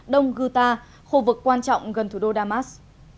đông guta khu vực quan trọng gần thủ đô damas